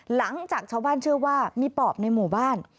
หลังจากชาวบ้านเชื่อว่ามีปอบในหมู่บ้าน